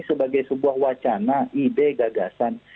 sebagai sebuah wacana ide gagasan